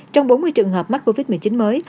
trong bốn mươi trường hợp mắc covid một mươi chín mới